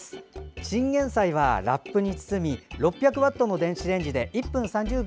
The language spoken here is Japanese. チンゲンサイはラップに包み６００ワットの電子レンジで１分３０秒。